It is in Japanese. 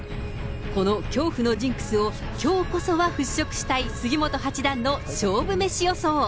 この恐怖のジンクスを、きょうこそは払拭したい杉本八段の勝負メシ予想。